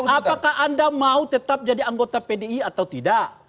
apakah anda mau tetap jadi anggota pdi atau tidak